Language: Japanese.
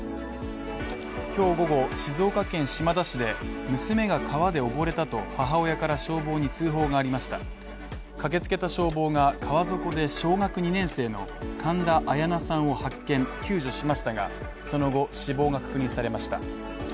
今日午後、静岡県島田市で娘が川で溺れたと母親から消防に通報がありました駆けつけた消防が川底で小学２年生の神田彩陽奈さんを発見、救助しましたが、その後、死亡が確認されました。